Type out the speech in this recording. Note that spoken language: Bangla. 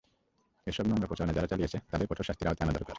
এসব নোংরা প্রচারণা যারা চালিয়েছে, তাদের কঠোর শাস্তির আওতায় আনা দরকার।